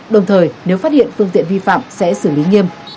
đồng thời nếu phát hiện phương tiện vi phạm sẽ xử lý nghiêm